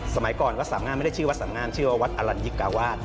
สมัยก่อนวัดสามงามไม่ได้ชื่อวัดสามงามชื่อว่าวัดอลัญญิกาวาส